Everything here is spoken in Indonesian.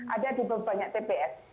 ada di berbanyak tps